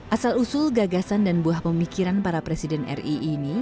asal usul gagasan dan buah pemikiran para presiden ri ini